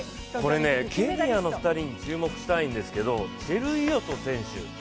ケニアの２人に注目したいんですけどチェルイヨト選手。